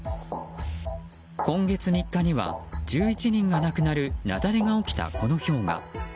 今月３日には、１１人が亡くなる雪崩が起きたこの氷河。